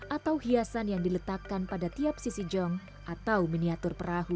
atau hiasan yang diletakkan pada tiap sisi jong atau miniatur perahu